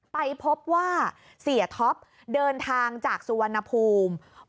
ไปพบว่าเสียท็อปเดินทางจากสุวรรณภูมิ